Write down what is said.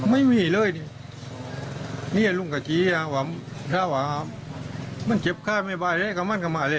ไม่มีเนี่ยครับลุงกับไรครับในกรอบกลัวของลุงไม่มีปัญหาอะไรเลย